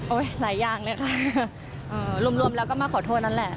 โอ๊ยหลายจริงรวมแล้วก็มาขอโทษนั้นแหละ